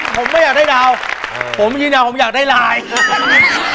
ผมไม่อยากได้ดาวผมไม่คิดดาวผมอยากได้ไลน์